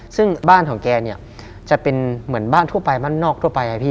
ซึ่งบ้านของแกจะเป็นเหมือนบ้านทั่วไป